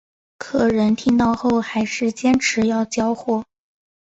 客人听到后还是坚持要交货